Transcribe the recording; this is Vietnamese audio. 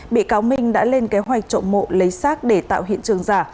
bị cáo minh đã lên kế hoạch trộm mộ lấy xác để tạo hiện trường giả